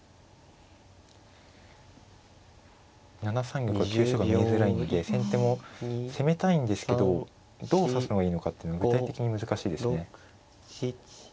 ７三玉は急所が見えづらいんで先手も攻めたいんですけどどう指すのがいいのかっていうのが具体的に難しいですね。